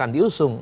yang akan diusung